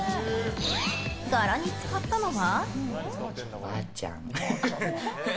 柄に使ったのは？